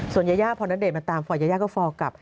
ส่วนยาย่าพอณเดชนมาตามฟอร์ยายาก็ฟอร์กลับ